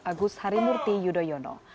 agus harimurti yudhoyono